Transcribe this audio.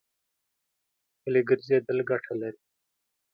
پلي ګرځېدل ګټه لري.